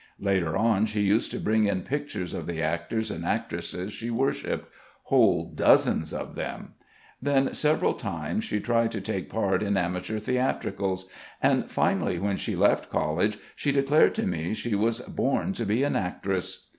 Later on she used to bring in pictures of the actors and actresses she worshipped whole dozens of them. Then several times she tried to take part in amateur theatricals, and finally when she left College she declared to me she was born to be an actress.